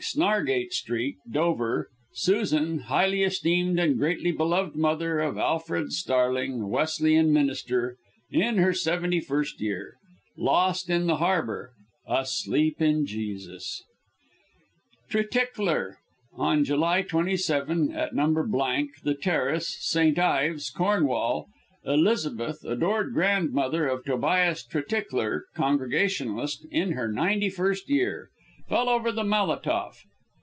Snargate Street, Dover, Susan, highly esteemed and greatly beloved mother of Alfred Starling, Wesleyan Minister, in her 71st year. Lost in the harbour. Asleep in Jesus. TRETICKLER. On July 27, at No. The Terrace, St. Ives, Cornwall, Elizabeth, adored grandmother of Tobias Tretickler, Congregationalist, in her 91st year. Fell over the Malatoff.